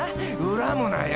恨むなよ！！